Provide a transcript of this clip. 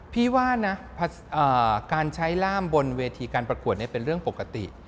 พี่ว่านะการใช้ร่ามบนเวทีการประกวดเป็นเรื่องปกติ